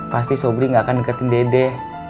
pasti sobri gak akan deketin dede